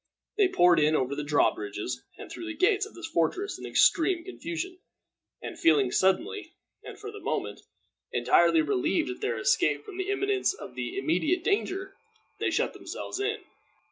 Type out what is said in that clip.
They poured in over the drawbridges and through the gates of this fortress in extreme confusion; and feeling suddenly, and for the moment, entirely relieved at their escape from the imminence of the immediate danger, they shut themselves in.